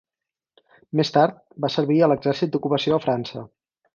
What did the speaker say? Més tard, va servir a l'exèrcit d'ocupació a França.